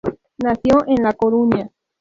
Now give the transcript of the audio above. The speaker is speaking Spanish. Nació en la Coruña.